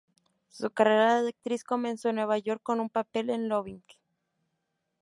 Su carrera de actriz comenzó en Nueva York con un papel en "Loving".